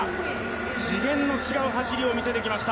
次元の違う走りを見せてきました。